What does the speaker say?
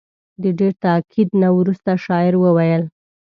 د ډېر تاکید نه وروسته شاعر وویل.